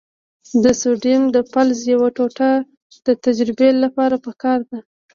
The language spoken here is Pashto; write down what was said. د سوډیم د فلز یوه ټوټه د تجربې لپاره پکار ده.